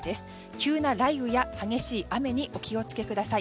急な雨や激しい雷雨にお気を付けください。